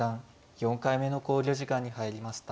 ４回目の考慮時間に入りました。